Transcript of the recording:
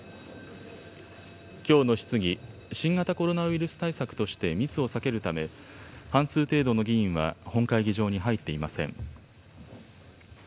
きょうの質疑、新型コロナウイルス対策として密を避けるため、半数程度の議員は、本会議場に入っていません。